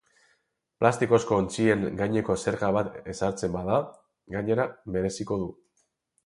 Plastikozko ontzien gaineko zerga bat ezartzen bada, gainera, mereziko du.